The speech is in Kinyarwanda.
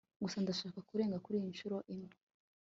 gusa ndashaka kurenga kuriyi nshuro imwe